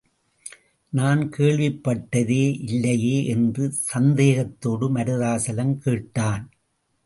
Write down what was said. நான் கேள்விப்பட்டதே இல்லையே! என்று சந்தேகத்தோடு மருதாசலம் கேட்டான்.